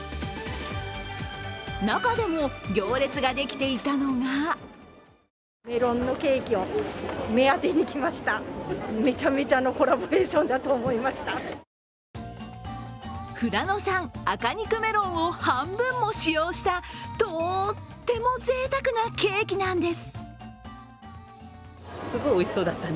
中でも行列ができていたのが富良野産赤肉メロンを半分も使用したとってもぜいたくなケーキなんです。